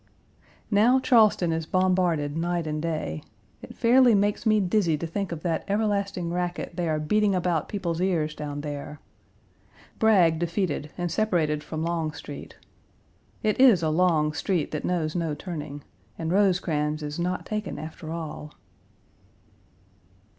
Now, Charleston is bombarded night and day. It fairly makes me dizzy to think of that everlasting racket they are beating about people's ears down there. Bragg defeated, and separated from Longstreet. It is a long street that knows no turning, and Rosecrans is not taken after all.